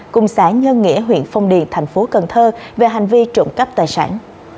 cùng xã nhân nghĩa huyện phong điền thành phố cần thơ về hành vi trộm cắp tài sản